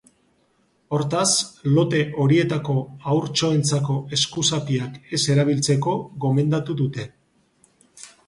Hortaz, lote horietako haurtxoentzako eskuzapiak ez erabiltzeko gomendatu dute.